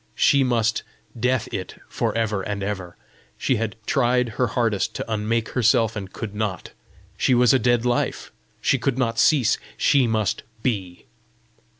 She must DEATH IT for ever and ever! She had tried her hardest to unmake herself, and could not! she was a dead life! she could not cease! she must BE!